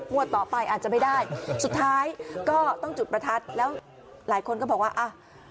ต่อไปอาจจะไม่ได้สุดท้ายก็ต้องจุดประทัดแล้วหลายคนก็บอกว่าอ่ะ